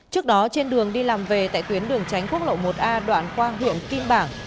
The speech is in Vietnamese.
trước đó trên đường đi làm về tại tuyến đường tránh quốc lộ một a đoạn qua hưởng kim bảng